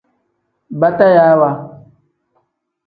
Batayaawa.